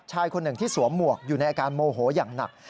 ชายคนหนึ่งที่สวมหมวกอยู่ในอาการโมโหอย่างหนัก